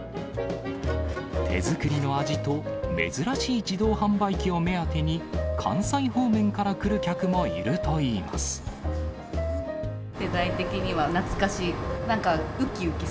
手作りの味と、珍しい自動販売機を目当てに、関西方面から来る客もいるといい世代的には懐かしい。